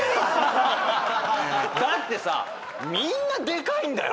だってさみんなでかいんだよ！